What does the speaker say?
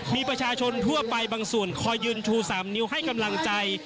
มีประชาชนทั่วไปบางส่วนคอยยืนชู๓นิ้วให้กำลังใจ